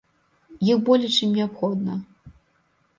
Іх болей, чым неабходна.